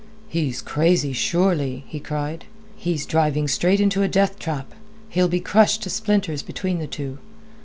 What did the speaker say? "He's crazy surely!" he cried. "He's driving straight into a death trap. He'll be crushed to splinters between the two.